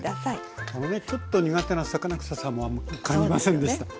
ちょっと苦手な魚くささも感じませんでした。